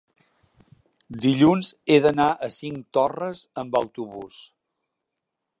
Dilluns he d'anar a Cinctorres amb autobús.